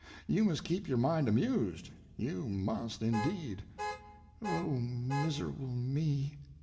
You must keep your mind amused—you must, indeed." "Oh, miserable me!"